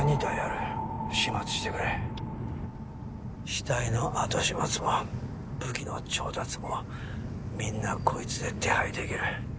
死体の後始末も武器の調達もみんなこいつで手配できる。